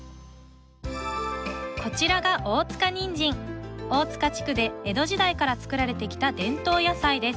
こちらが大塚地区で江戸時代から作られてきた伝統野菜です